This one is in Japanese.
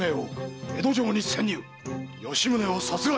吉宗を殺害！